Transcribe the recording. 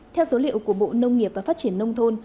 theo số liệu của bộ nông nghiệp và phát triển nông thôn